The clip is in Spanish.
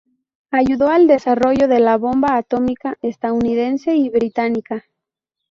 Ayudó al desarrollo de la bomba atómica estadounidense y británica.